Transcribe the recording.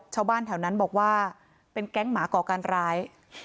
ชาวบ้านแถวนั้นบอกว่าเป็นแก๊งหมาก่อการร้าย